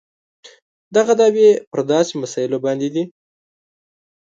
دغه دعوې پر داسې مسایلو باندې دي.